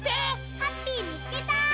ハッピーみつけた！